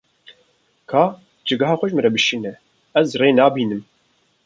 Ka cîgeha xwe ji min re bişîne, ez rê nabînim.